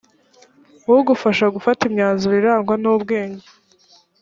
ugufashe gufata imyanzuro irangwa n ubwenge